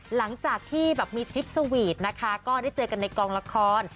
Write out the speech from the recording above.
หลังจากที่แบบมีทริปสวีทนะคะก็ได้เจอกันในกองละคร